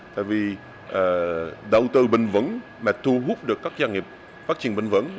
tại vì đầu tư bình vẩn mà thu hút được các gia nghiệp phát triển bình vẩn